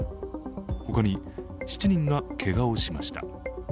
ほかに７人がけがをしました。